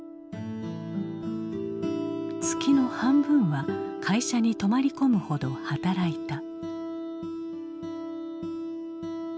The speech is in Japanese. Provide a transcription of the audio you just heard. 月の半分は会社に泊まり込むほど働いた。